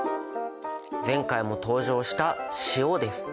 前回も登場した塩です。